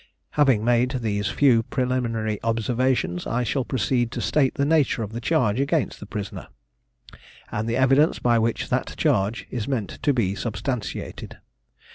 Having made these few preliminary observations, I shall proceed to state the nature of the charge against the prisoner, and the evidence by which that charge is meant to be substantiated.